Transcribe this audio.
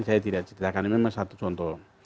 saya tidak cita karena memang satu contoh